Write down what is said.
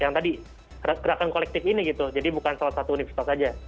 yang tadi gerakan kolektif ini gitu jadi bukan salah satu universitas saja